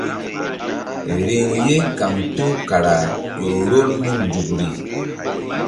Riŋ ye kaŋto kara ƴo rol mun nzukri.